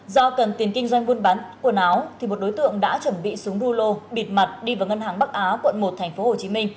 do cần tiền kinh doanh buôn bắn quần áo thì một đối tượng đã chuẩn bị súng đu lô bịt mặt đi vào ngân hàng bắc á quận một tp hcm